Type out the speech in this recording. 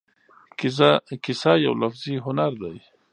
کیسه یو لفظي هنر دی.